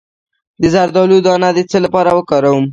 د زردالو دانه د څه لپاره وکاروم؟